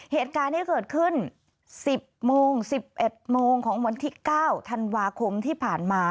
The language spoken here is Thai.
เหตุการณ์นี้เกิดขึ้น๑๐โมง๑๑โมงของวันที่๙ธันวาคมที่ผ่านมา